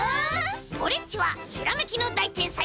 オレっちはひらめきのだいてんさい！